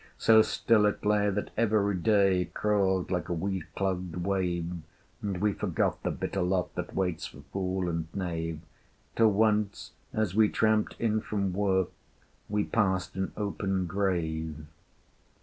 So still it lay that every day Crawled like a weed clogged wave: And we forgot the bitter lot That waits for fool and knave, Till once, as we tramped in from work, We passed an open grave.